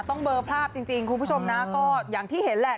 ต้องเบอร์ภาพจริงคุณผู้ชมนะก็อย่างที่เห็นแหละ